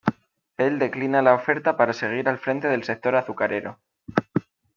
El declina la oferta para seguir al frente del sector azucarero.